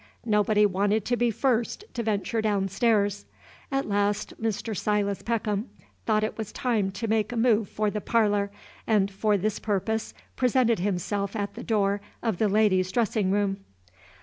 Nobody wanted to be first to venture down stairs. At last Mr. Silas Peckham thought it was time to make a move for the parlor, and for this purpose presented himself at the door of the ladies' dressing room.